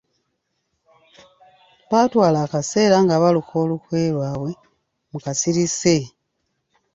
Baatwala akaseera nga baluka olukwe lwabwe mu kasirise.